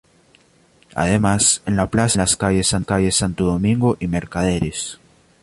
Además, en la plaza se unen las calles Santo Domingo y Mercaderes.